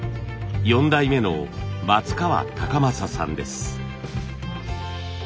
４代目の松川享正さんです。